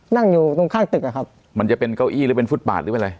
นั่งอยู่ตรงข้างตึกอะครับมันจะเป็นเก้าอี้หรือเป็นฟุตบาทหรือเป็นอะไร